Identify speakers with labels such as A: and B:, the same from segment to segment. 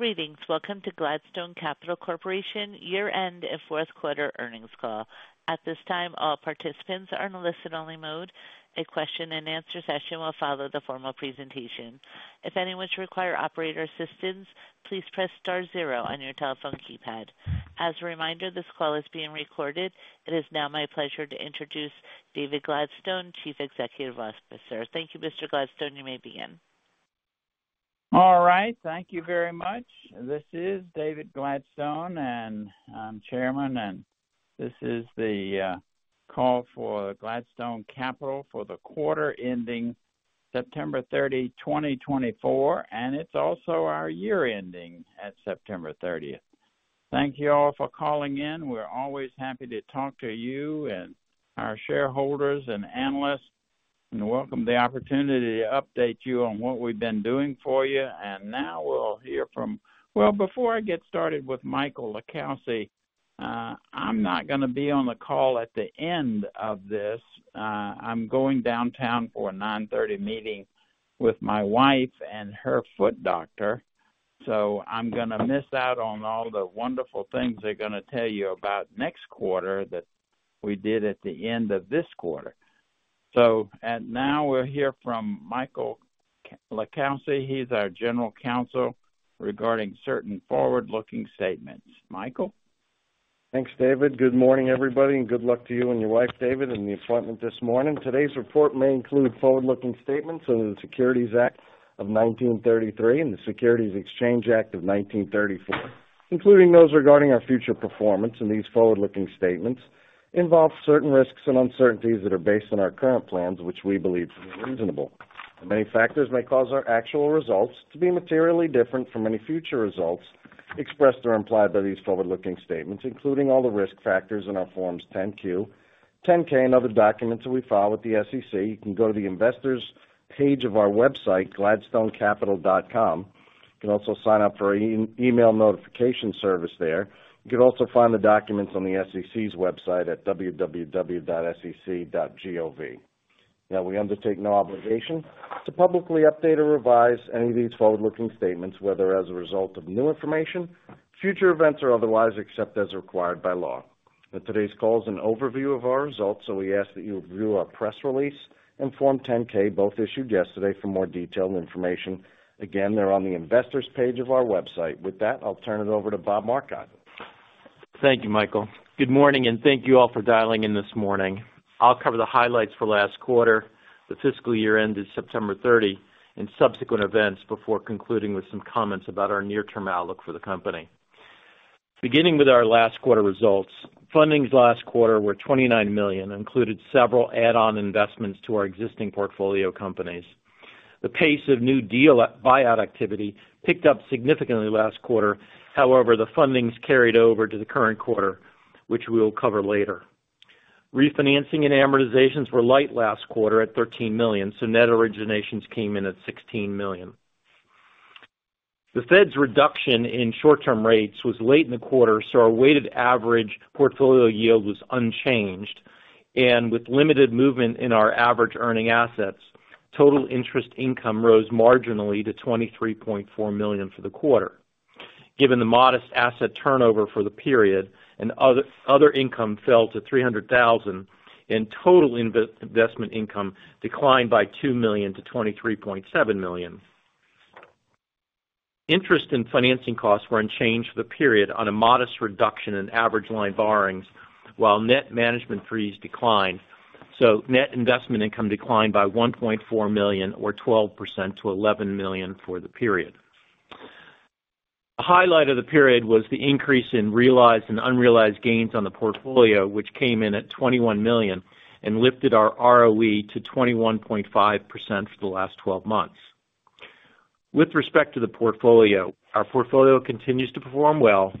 A: Greetings. Welcome to Gladstone Capital Corporation year-end and fourth quarter earnings call. At this time, all participants are in a listen-only mode. A question-and-answer session will follow the formal presentation. If anyone should require operator assistance, please press star zero on your telephone keypad. As a reminder, this call is being recorded. It is now my pleasure to introduce David Gladstone, Chief Executive Officer. Thank you, Mr. Gladstone. You may begin.
B: All right. Thank you very much. This is David Gladstone, and I'm Chairman, and this is the call for Gladstone Capital for the quarter ending September 30, 2024, and it's also our year-ending at September 30th. Thank you all for calling in. We're always happy to talk to you and our shareholders and analysts, and welcome the opportunity to update you on what we've been doing for you. And now we'll hear from, well, before I get started with Michael Licalsi, I'm not gonna be on the call at the end of this. I'm going downtown for a 9/30. meeting with my wife and her foot doctor, so I'm gonna miss out on all the wonderful things they're gonna tell you about next quarter that we did at the end of this quarter. So at now, we'll hear from Michael Licalsi. He's our General Counsel regarding certain forward-looking statements. Michael?
C: Thanks, David. Good morning, everybody, and good luck to you and your wife, David, and the appointment this morning. Today's report may include forward-looking statements under the Securities Act of 1933 and the Securities Exchange Act of 1934, including those regarding our future performance, and these forward-looking statements involve certain risks and uncertainties that are based on our current plans, which we believe to be reasonable. Many factors may cause our actual results to be materially different from any future results expressed or implied by these forward-looking statements, including all the risk factors in our Forms 10-Q, 10-K, and other documents that we file with the SEC. You can go to the investors' page of our website, gladstone-capital.com. You can also sign up for an email notification service there. You can also find the documents on the SEC's website at www.sec.gov. Now, we undertake no obligation to publicly update or revise any of these forward-looking statements, whether as a result of new information, future events, or otherwise, except as required by law. Today's call is an overview of our results, so we ask that you review our press release and Form 10-K, both issued yesterday, for more detailed information. Again, they're on the investors' page of our website. With that, I'll turn it over to Bob Marcotte.
D: Thank you, Michael. Good morning, and thank you all for dialing in this morning. I'll cover the highlights for last quarter, the fiscal year-end in September 30, and subsequent events before concluding with some comments about our near-term outlook for the company. Beginning with our last quarter results, fundings last quarter were $29 million, included several add-on investments to our existing portfolio companies. The pace of new deal buyout activity picked up significantly last quarter. However, the fundings carried over to the current quarter, which we'll cover later. Refinancing and amortizations were light last quarter at $13 million, so net originations came in at $16 million. The Fed's reduction in short-term rates was late in the quarter, so our weighted average portfolio yield was unchanged. And with limited movement in our average earning assets, total interest income rose marginally to $23.4 million for the quarter. Given the modest asset turnover for the period, other income fell to $300,000, and total investment income declined by $2 million to $23.7 million. Interest and financing costs were unchanged for the period on a modest reduction in average line borrowings, while net management fees declined, so net investment income declined by $1.4 million, or 12%, to $11 million for the period. A highlight of the period was the increase in realized and unrealized gains on the portfolio, which came in at $21 million and lifted our ROE to 21.5% for the last 12 months. With respect to the portfolio, our portfolio continues to perform well,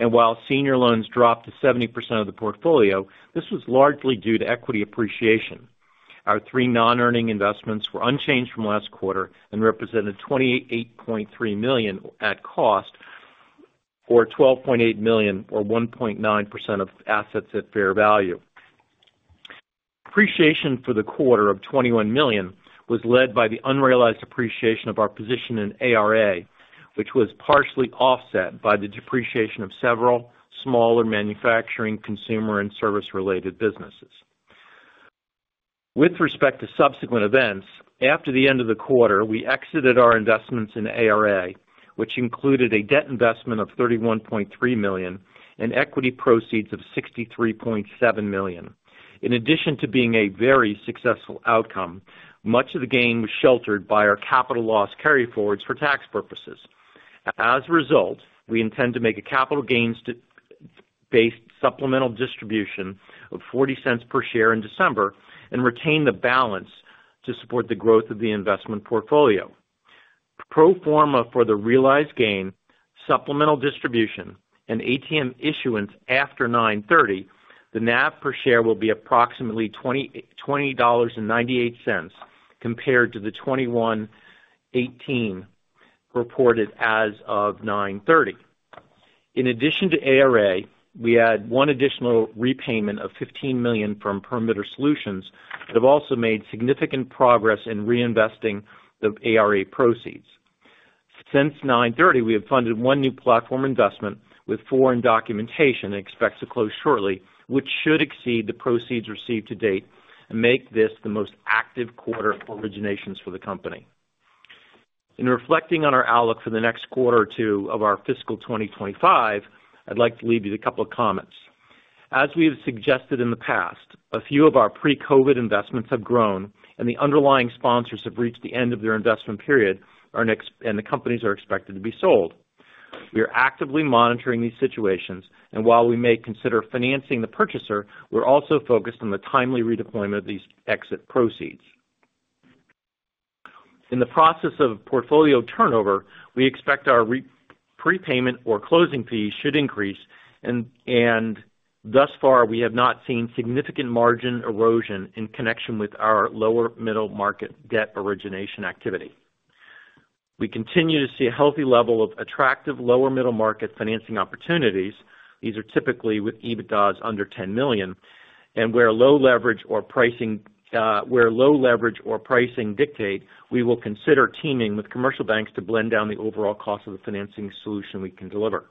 D: and while senior loans dropped to 70% of the portfolio, this was largely due to equity appreciation. Our three non-earning investments were unchanged from last quarter and represented $28.3 million at cost, or $12.8 million, or 1.9% of assets at fair value. Appreciation for the quarter of $21 million was led by the unrealized appreciation of our position in ARA, which was partially offset by the depreciation of several smaller manufacturing, consumer, and service-related businesses. With respect to subsequent events, after the end of the quarter, we exited our investments in ARA, which included a debt investment of $31.3 million and equity proceeds of $63.7 million. In addition to being a very successful outcome, much of the gain was sheltered by our capital loss carryforwards for tax purposes. As a result, we intend to make a capital gains-based supplemental distribution of $0.40 per share in December and retain the balance to support the growth of the investment portfolio. Pro forma for the realized gain, supplemental distribution, and ATM issuance after 9/30, the NAV per share will be approximately $20.98 compared to the $21.18 reported as of 9/30. In addition to ARA, we add one additional repayment of $15 million from Perimeter Solutions that have also made significant progress in reinvesting the ARA proceeds. Since 9/30, we have funded one new platform investment with foreign documentation and expects to close shortly, which should exceed the proceeds received to date and make this the most active quarter originations for the company. In reflecting on our outlook for the next quarter or two of our fiscal 2025, I'd like to leave you with a couple of comments. As we have suggested in the past, a few of our pre-COVID investments have grown, and the underlying sponsors have reached the end of their investment period, and the companies are expected to be sold. We are actively monitoring these situations, and while we may consider financing the purchaser, we're also focused on the timely redeployment of these exit proceeds. In the process of portfolio turnover, we expect our repayment or closing fees should increase, and thus far, we have not seen significant margin erosion in connection with our lower middle market debt origination activity. We continue to see a healthy level of attractive lower middle market financing opportunities. These are typically with EBITDAs under $10 million, and where low leverage or pricing, where low leverage or pricing dictate, we will consider teaming with commercial banks to blend down the overall cost of the financing solution we can deliver.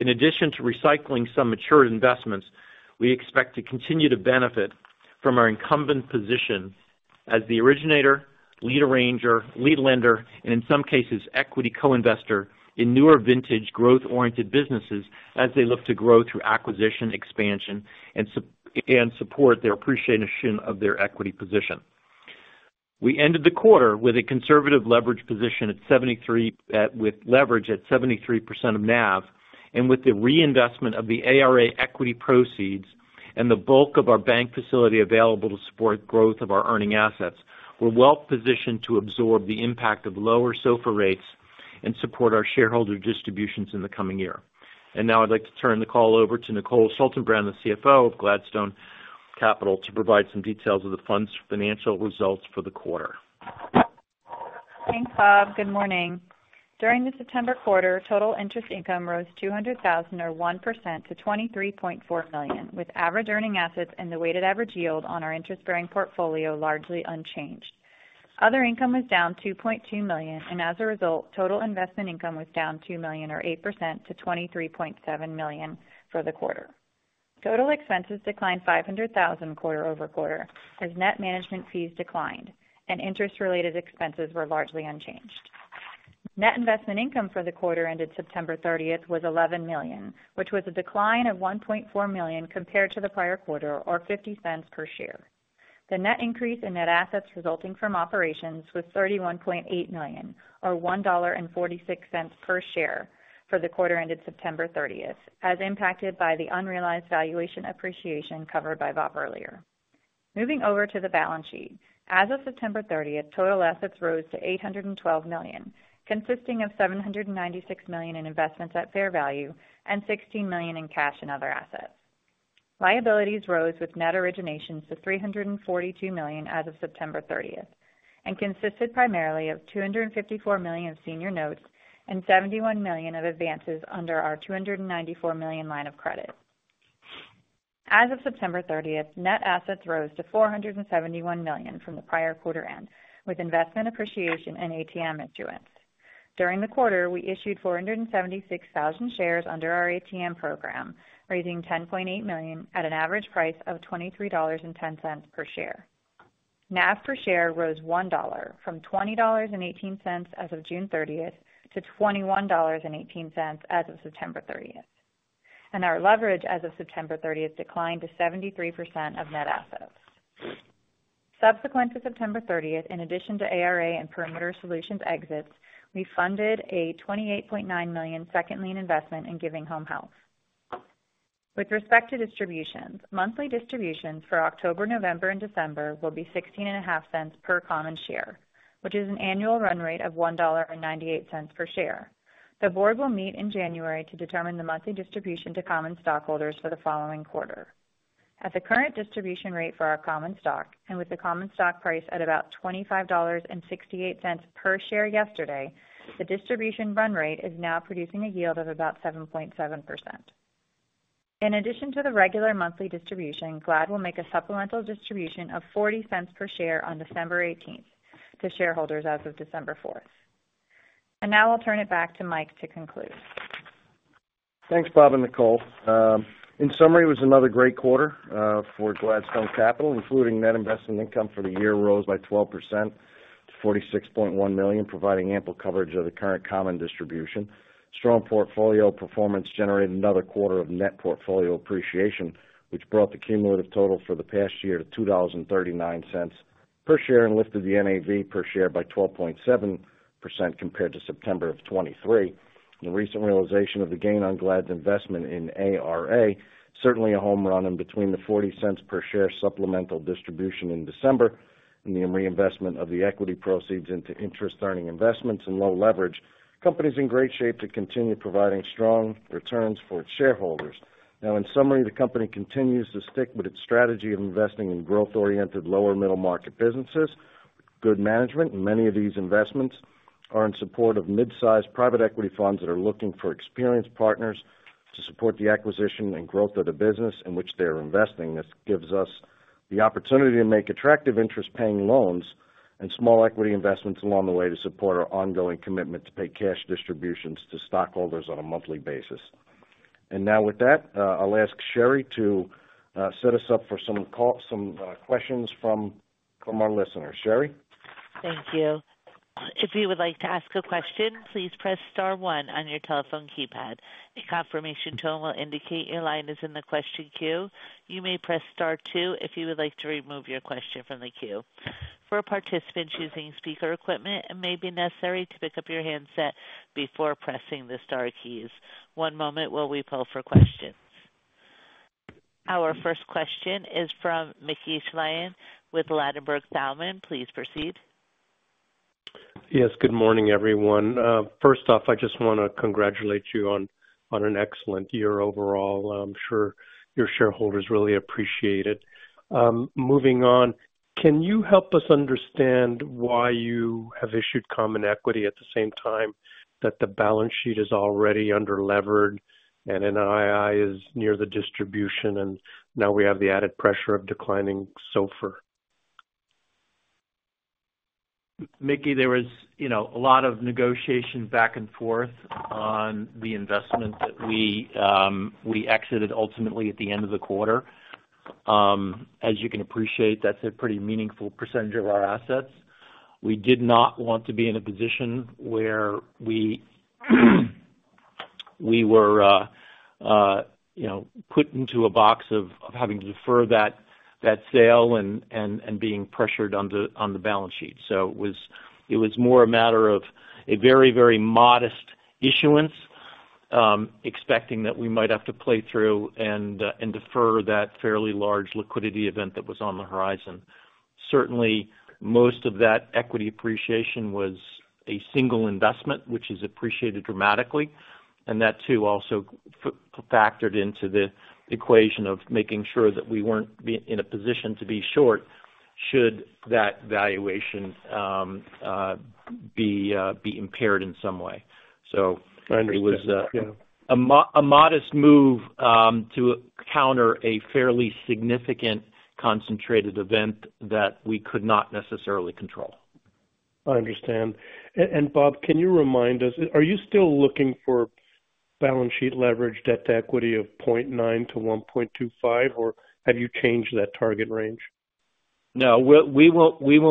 D: In addition to recycling some matured investments, we expect to continue to benefit from our incumbent position as the originator, lead arranger, lead lender, and in some cases, equity co-investor in newer vintage growth-oriented businesses as they look to grow through acquisition, expansion, and support their appreciation of their equity position. We ended the quarter with a conservative leverage position at 73, with leverage at 73% of NAV. And with the reinvestment of the ARA equity proceeds and the bulk of our bank facility available to support growth of our earning assets, we're well positioned to absorb the impact of lower SOFR rates and support our shareholder distributions in the coming year. And now I'd like to turn the call over to Nicole Schaltenbrand, the CFO of Gladstone Capital, to provide some details of the funds' financial results for the quarter.
E: Thanks, Bob. Good morning. During the September quarter, total interest income rose $200,000 or 1% to $23.4 million, with average earning assets and the weighted average yield on our interest-bearing portfolio largely unchanged. Other income was down $2.2 million, and as a result, total investment income was down $2 million or 8% to $23.7 million for the quarter. Total expenses declined $500,000 quarter-over-quarter as net management fees declined, and interest-related expenses were largely unchanged. Net investment income for the quarter ended September 30th was $11 million, which was a decline of $1.4 million compared to the prior quarter, or $0.50 per share. The net increase in net assets resulting from operations was $31.8 million, or $1.46 per share for the quarter ended September 30th, as impacted by the unrealized valuation appreciation covered by Bob earlier. Moving over to the balance sheet, as of September 30th, total assets rose to $812 million, consisting of $796 million in investments at fair value and $16 million in cash and other assets. Liabilities rose with net originations to $342 million as of September 30th and consisted primarily of $254 million of senior notes and $71 million of advances under our $294 million line of credit. As of September 30th, net assets rose to $471 million from the prior quarter end with investment appreciation and ATM issuance. During the quarter, we issued 476,000 shares under our ATM program, raising $10.8 million at an average price of $23.10 per share. NAV per share rose $1 from $20.18 as of June 30th to $21.18 as of September 30th. And our leverage as of September 30th declined to 73% of net assets. Subsequent to September 30th, in addition to ARA and Perimeter Solutions Exits, we funded a $28.9 million second lien investment in Giving Home Health. With respect to distributions, monthly distributions for October, November, and December will be $0.165 per common share, which is an annual run rate of $1.98 per share. The board will meet in January to determine the monthly distribution to common stockholders for the following quarter. At the current distribution rate for our common stock, and with the common stock price at about $25.68 per share yesterday, the distribution run rate is now producing a yield of about 7.7%. In addition to the regular monthly distribution, GLAD will make a supplemental distribution of $0.40 per share on December 18th to shareholders as of December 4th. And now I'll turn it back to Mike to conclude.
C: Thanks, Bob and Nicole. In summary, it was another great quarter for Gladstone Capital. Including net investment income for the year rose by 12% to $46.1 million, providing ample coverage of the current common distribution. Strong portfolio performance generated another quarter of net portfolio appreciation, which brought the cumulative total for the past year to $2.39 per share and lifted the NAV per share by 12.7% compared to September of 2023. The recent realization of the gain on GLAD's investment in ARA, certainly a home run. In between the $0.40 per share supplemental distribution in December and the reinvestment of the equity proceeds into interest-earning investments and low leverage, company's in great shape to continue providing strong returns for its shareholders. Now, in summary, the company continues to stick with its strategy of investing in growth-oriented lower middle market businesses. Good management in many of these investments are in support of mid-sized private equity funds that are looking for experienced partners to support the acquisition and growth of the business in which they are investing. This gives us the opportunity to make attractive interest-paying loans and small equity investments along the way to support our ongoing commitment to pay cash distributions to stockholders on a monthly basis. And now with that, I'll ask Sherry to set us up for some questions from our listeners. Sherry.
A: Thank you. If you would like to ask a question, please press star one on your telephone keypad. A confirmation tone will indicate your line is in the question queue. You may press star two if you would like to remove your question from the queue. For participants using speaker equipment, it may be necessary to pick up your handset before pressing the star keys. One moment while we pull for questions. Our first question is from Mickey Schleien with Ladenburg Thalmann. Please proceed.
F: Yes, good morning, everyone. First off, I just want to congratulate you on an excellent year overall. I'm sure your shareholders really appreciate it. Moving on, can you help us understand why you have issued common equity at the same time that the balance sheet is already under-levered and NII is near the distribution and now we have the added pressure of declining SOFR?
D: Mickey, there was, you know, a lot of negotiation back and forth on the investment that we exited ultimately at the end of the quarter. As you can appreciate, that's a pretty meaningful percentage of our assets. We did not want to be in a position where we were, you know, put into a box of having to defer that sale and being pressured on the balance sheet. So it was more a matter of a very, very modest issuance, expecting that we might have to play through and defer that fairly large liquidity event that was on the horizon. Certainly, most of that equity appreciation was a single investment, which has appreciated dramatically. And that too also factored into the equation of making sure that we weren't in a position to be short should that valuation be impaired in some way. So it was a modest move to counter a fairly significant concentrated event that we could not necessarily control.
F: I understand, and Bob, can you remind us, are you still looking for balance sheet leverage debt to equity of 0.9 to 1.25, or have you changed that target range?
D: No, we'll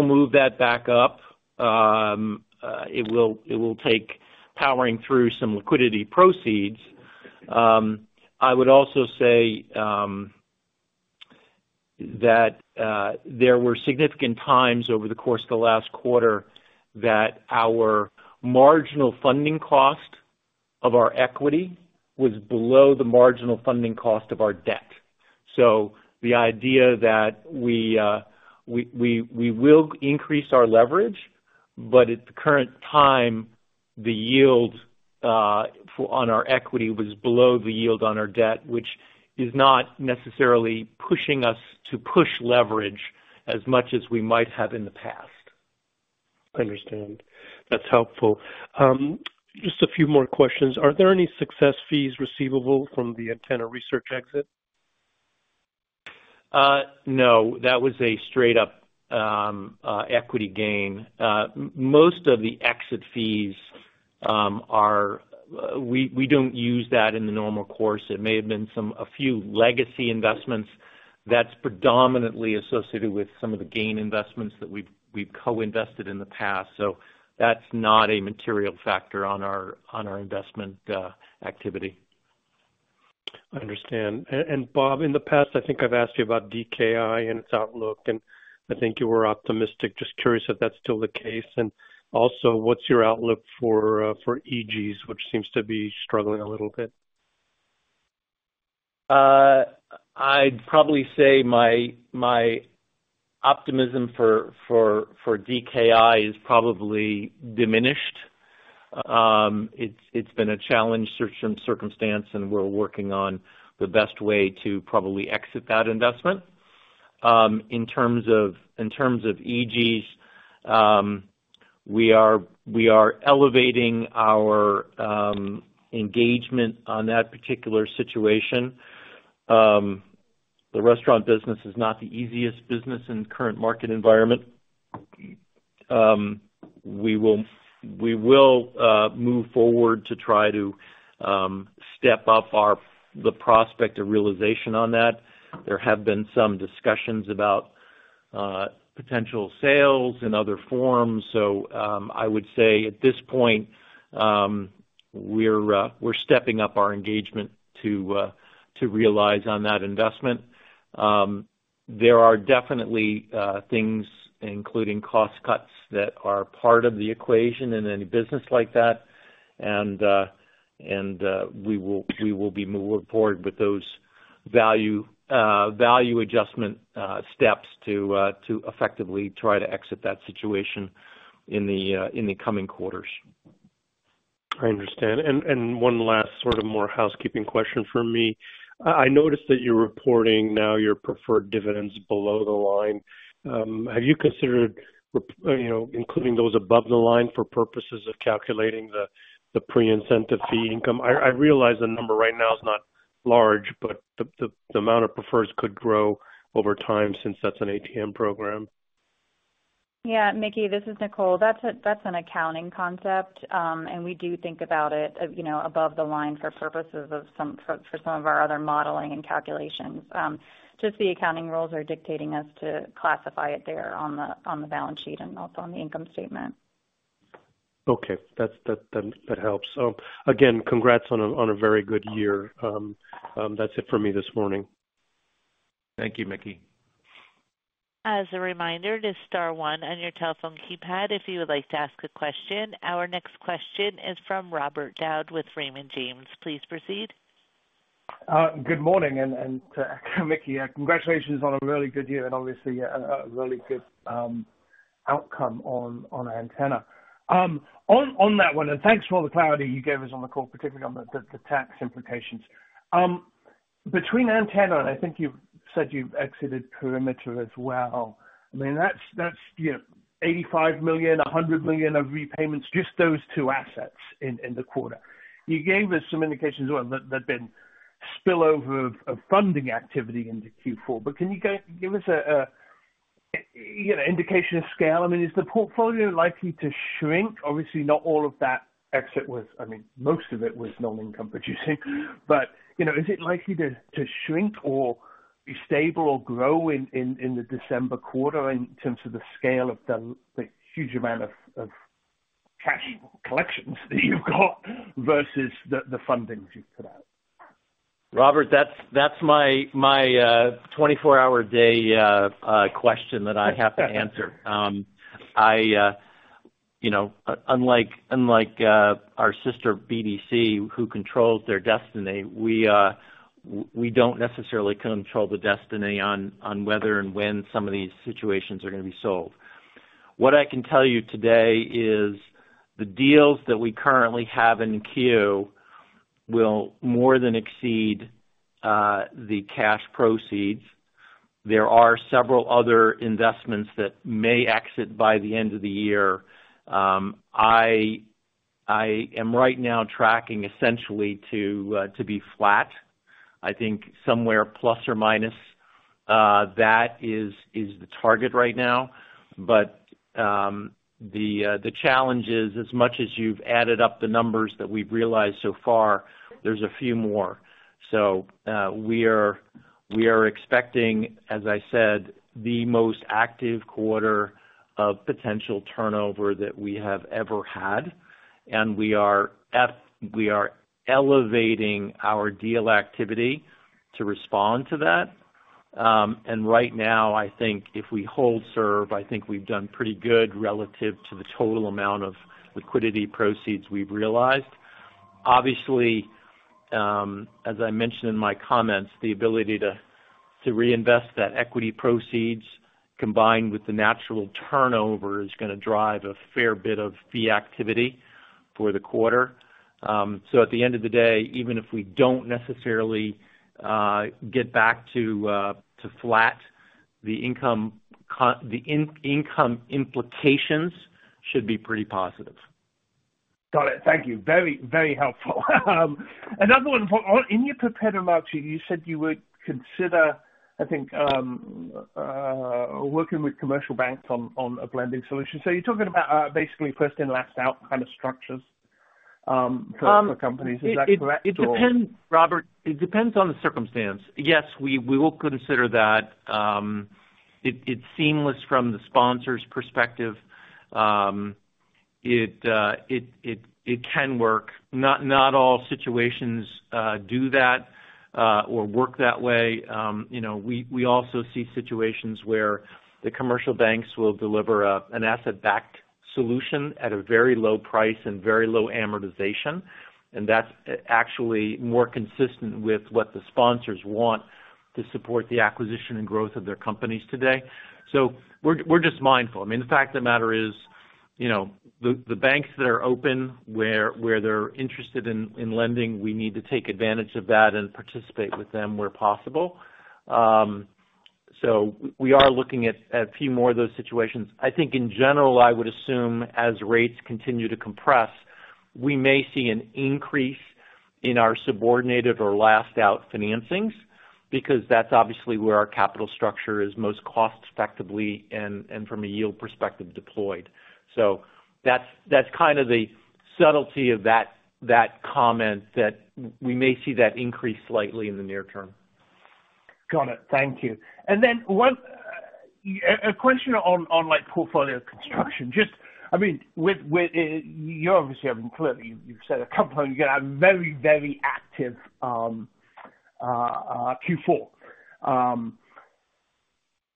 D: move that back up. It will take powering through some liquidity proceeds. I would also say that there were significant times over the course of the last quarter that our marginal funding cost of our equity was below the marginal funding cost of our debt, so the idea that we will increase our leverage, but at the current time, the yield on our equity was below the yield on our debt, which is not necessarily pushing us to push leverage as much as we might have in the past.
F: I understand. That's helpful. Just a few more questions. Are there any success fees receivable from the Antenna Research exit?
D: No, that was a straight-up equity gain. Most of the exit fees, we don't use that in the normal course. It may have been some a few legacy investments. That's predominantly associated with some of the gain investments that we've co-invested in the past. So that's not a material factor on our investment activity.
F: I understand. And Bob, in the past, I think I've asked you about DKI and its outlook, and I think you were optimistic. Just curious if that's still the case. And also, what's your outlook for EGs, which seems to be struggling a little bit?
D: I'd probably say my optimism for DKI is probably diminished. It's been a challenge through some circumstance, and we're working on the best way to probably exit that investment. In terms of EGs, we are elevating our engagement on that particular situation. The restaurant business is not the easiest business in the current market environment. We will move forward to try to step up our the prospect of realization on that. There have been some discussions about potential sales in other forms. So, I would say at this point, we're stepping up our engagement to realize on that investment. There are definitely things, including cost cuts that are part of the equation in any business like that. We will be moving forward with those value adjustment steps to effectively try to exit that situation in the coming quarters.
F: I understand. And one last sort of more housekeeping question from me. I noticed that you're reporting now your preferred dividends below the line. Have you considered, you know, including those above the line for purposes of calculating the pre-incentive fee income? I realize the number right now is not large, but the amount of preferreds could grow over time since that's an ATM program.
E: Yeah, Mickey, this is Nicole. That's a, that's an accounting concept, and we do think about it, you know, above the line for purposes of some, for, for some of our other modeling and calculations. Just the accounting rules are dictating us to classify it there on the, on the balance sheet and also on the income statement.
F: Okay. That helps. Again, congrats on a very good year. That's it for me this morning.
C: Thank you, Mickey.
A: As a reminder, this is star one on your telephone keypad if you would like to ask a question. Our next question is from Robert Dodd with Raymond James. Please proceed.
G: Good morning. And to Mickey, congratulations on a really good year and obviously a really good outcome on Antenna, on that one, and thanks for all the clarity you gave us on the call, particularly on the tax implications between Antenna, and I think you've said you've exited Perimeter as well. I mean, that's you know, $85 million, $100 million of repayments, just those two assets in the quarter. You gave us some indications as well that there'd been spillover of funding activity into Q4. But can you give us a you know, indication of scale? I mean, is the portfolio likely to shrink? Obviously, not all of that exit was, I mean, most of it was non-income producing. You know, is it likely to shrink or be stable or grow in the December quarter in terms of the scale of the huge amount of cash collections that you've got versus the fundings you've put out?
D: Robert, that's my 24-hour day question that I have to answer. I, you know, unlike our sister BDC, who controls their destiny, we don't necessarily control the destiny on whether and when some of these situations are going to be solved. What I can tell you today is the deals that we currently have in queue will more than exceed the cash proceeds. There are several other investments that may exit by the end of the year. I am right now tracking essentially to be flat. I think somewhere plus or minus that is the target right now. The challenge is, as much as you've added up the numbers that we've realized so far, there's a few more. We are expecting, as I said, the most active quarter of potential turnover that we have ever had. We are elevating our deal activity to respond to that. And right now, I think if we hold serve, I think we've done pretty good relative to the total amount of liquidity proceeds we've realized. Obviously, as I mentioned in my comments, the ability to reinvest that equity proceeds combined with the natural turnover is going to drive a fair bit of fee activity for the quarter, so at the end of the day, even if we don't necessarily get back to flat, the income implications should be pretty positive.
G: Got it. Thank you. Very, very helpful. Another one for, in your prepared remarks, you said you would consider, I think, working with commercial banks on a blending solution. So you're talking about, basically first-in-last-out kind of structures, for companies. Is that correct?
D: It depends, Robert. It depends on the circumstance. Yes, we will consider that. It's seamless from the sponsor's perspective. It can work. Not all situations do that, or work that way. You know, we also see situations where the commercial banks will deliver an asset-backed solution at a very low price and very low amortization, and that's actually more consistent with what the sponsors want to support the acquisition and growth of their companies today. So we're just mindful. I mean, the fact of the matter is, you know, the banks that are open where they're interested in lending, we need to take advantage of that and participate with them where possible, so we are looking at a few more of those situations. I think in general, I would assume as rates continue to compress, we may see an increase in our subordinated or last-out financings because that's obviously where our capital structure is most cost-effectively and from a yield perspective deployed. So that's kind of the subtlety of that comment that we may see that increase slightly in the near term.
G: Got it. Thank you. And then one, a question on, like, portfolio construction. Just, I mean, with, you obviously have been clear that you've said a couple of times you're going to have very, very active Q4.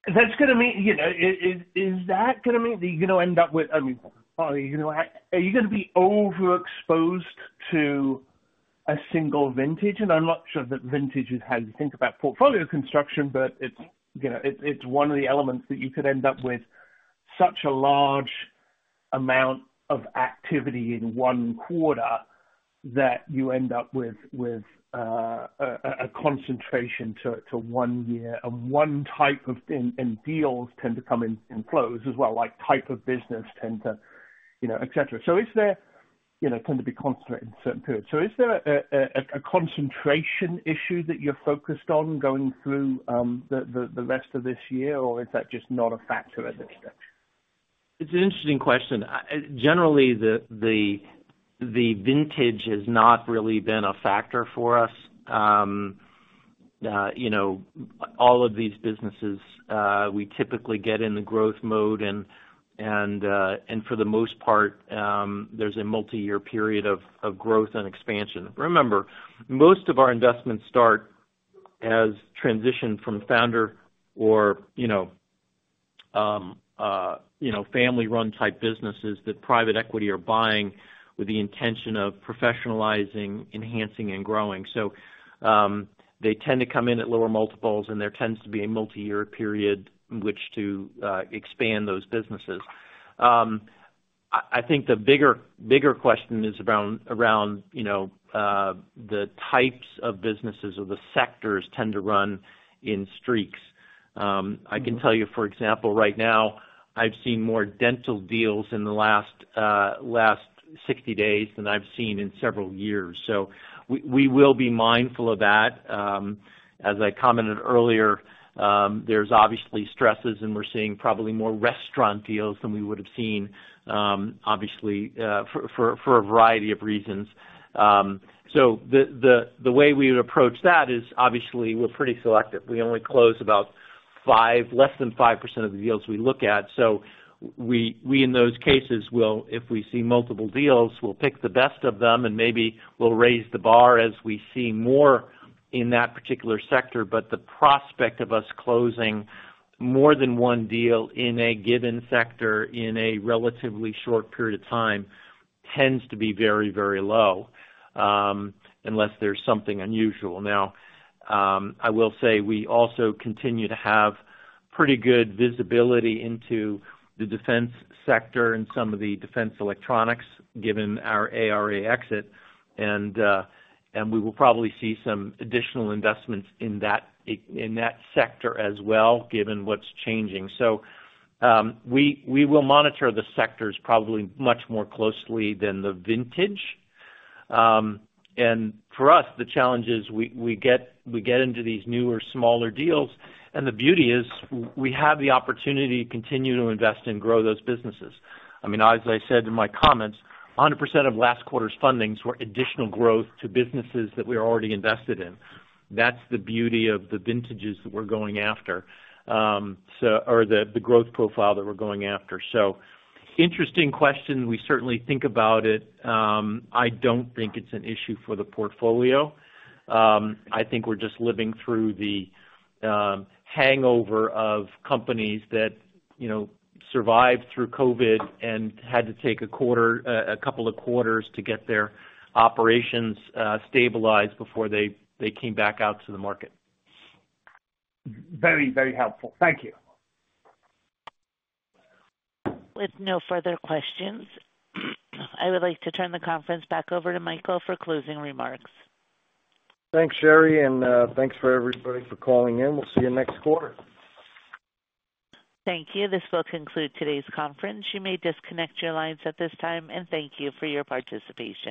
G: That's going to mean, you know, is that going to mean that you're going to end up with, I mean, are you going to be overexposed to a single vintage? And I'm not sure that vintage is how you think about portfolio construction, but it's, you know, it's one of the elements that you could end up with such a large amount of activity in one quarter that you end up with a concentration to one year and one type of, and deals tend to come in flows as well, like type of business tend to, you know, etc. So is there, you know, tend to be concentrated in certain periods. So is there a concentration issue that you're focused on going through the rest of this year, or is that just not a factor at this stage?
D: It's an interesting question. Generally, the vintage has not really been a factor for us. You know, all of these businesses, we typically get in the growth mode and for the most part, there's a multi-year period of growth and expansion. Remember, most of our investments start as transition from founder or, you know, family-run type businesses that private equity are buying with the intention of professionalizing, enhancing, and growing. So, they tend to come in at lower multiples, and there tends to be a multi-year period in which to expand those businesses. I think the bigger question is around, you know, the types of businesses or the sectors tend to run in streaks. I can tell you, for example, right now, I've seen more dental deals in the last 60 days than I've seen in several years. So we will be mindful of that. As I commented earlier, there's obviously stresses, and we're seeing probably more restaurant deals than we would have seen, obviously, for a variety of reasons. So the way we would approach that is obviously we're pretty selective. We only close about five, less than 5% of the deals we look at. So we in those cases will, if we see multiple deals, we'll pick the best of them, and maybe we'll raise the bar as we see more in that particular sector. But the prospect of us closing more than one deal in a given sector in a relatively short period of time tends to be very, very low, unless there's something unusual. Now, I will say we also continue to have pretty good visibility into the defense sector and some of the defense electronics given our ARA exit. And we will probably see some additional investments in that sector as well given what's changing. So, we will monitor the sectors probably much more closely than the vintage. And for us, the challenge is we get into these newer, smaller deals. And the beauty is we have the opportunity to continue to invest and grow those businesses. I mean, as I said in my comments, 100% of last quarter's fundings were additional growth to businesses that we were already invested in. That's the beauty of the vintages that we're going after, or the growth profile that we're going after. So, interesting question. We certainly think about it. I don't think it's an issue for the portfolio. I think we're just living through the hangover of companies that, you know, survived through COVID and had to take a quarter, a couple of quarters to get their operations stabilized before they came back out to the market.
G: Very, very helpful. Thank you.
A: With no further questions, I would like to turn the conference back over to Michael for closing remarks.
C: Thanks, Sherry, and thanks for everybody for calling in. We'll see you next quarter.
A: Thank you. This will conclude today's conference. You may disconnect your lines at this time. And thank you for your participation.